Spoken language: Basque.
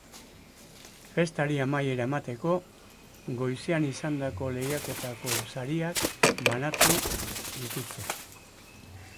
Festari amaiera emateko, goizean izandako lehiaketako sariak banatu dituzte.